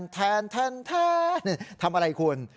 แทนทำอะไรคุณ